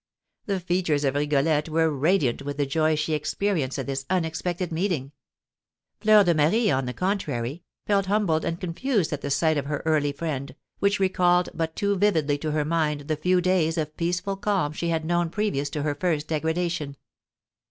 The features of Rigolette were radiant with the joy she experienced at this unexpected meeting; Fleur de Marie, on the contrary, felt humbled and confused at the sight of her early friend, which recalled but too vividly to her mind the few days of peaceful calm she had known previous to her first degradation.